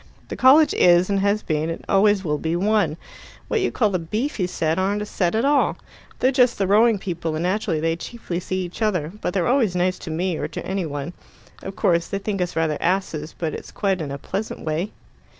"The college is, and has been, and always will be, one. What you call the beefy set aren't a set at all. They're just the rowing people, and naturally they chiefly see each other; but they're always nice to me or to any one. Of course, they think us rather asses, but it's quite in a pleasant way."